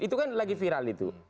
itu kan lagi viral itu